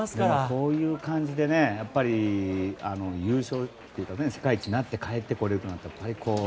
こういう感じで優勝というか世界一になって帰ってこれるのは最高。